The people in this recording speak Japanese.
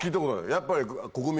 やっぱり。